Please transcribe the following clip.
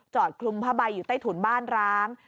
คลุมผ้าใบอยู่ใต้ถุนบ้านร้าง